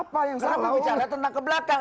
kenapa bicara tentang ke belakang